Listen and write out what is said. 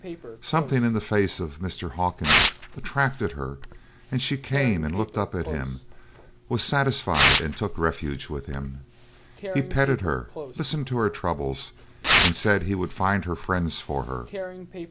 Something in the face of Mr. Hawkins attracted her and she came and looked up at him; was satisfied, and took refuge with him. He petted her, listened to her troubles, and said he would find her friends for her.